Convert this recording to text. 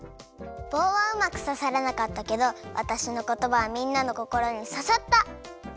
ぼうはうまくささらなかったけどわたしのことばはみんなのこころにささったってことだね。